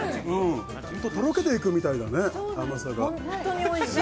とろけていくみたいだね、甘さが。